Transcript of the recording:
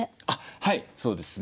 はいそうですね